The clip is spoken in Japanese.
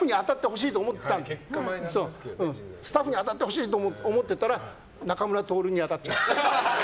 だから、スタッフに当たってほしいと思ってたら仲村トオルに当たっちゃって。